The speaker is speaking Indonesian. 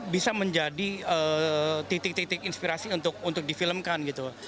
bisa menjadi titik titik inspirasi untuk difilmkan gitu